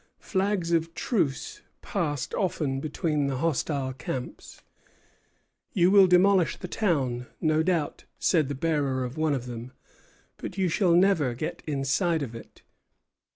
Flags of truce passed often between the hostile camps. "You will demolish the town, no doubt," said the bearer of one of them, "but you shall never get inside of it."